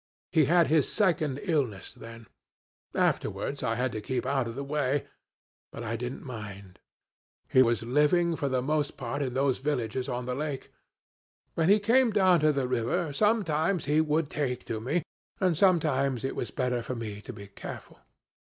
He had his second illness then. Afterwards I had to keep out of the way; but I didn't mind. He was living for the most part in those villages on the lake. When he came down to the river, sometimes he would take to me, and sometimes it was better for me to be careful.